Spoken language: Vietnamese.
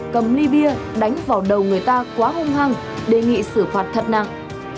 cầm ly bia đánh vào đầu người ta quá hung hăng đề nghị xử phạt thật nặng